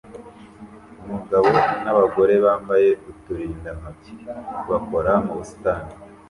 Umugabo n'abagore bambaye uturindantoki bakora mu busitani